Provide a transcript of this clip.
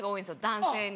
男性に。